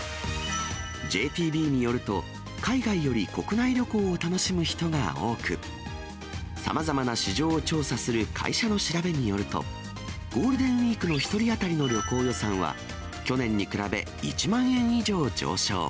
ＪＴＢによると、海外より国内旅行を楽しむ人が多く、さまざまな市場を調査する会社の調べによると、ゴールデンウィークの１人当たりの旅行予算は、去年に比べ１万円以上上昇。